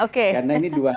karena ini dua hal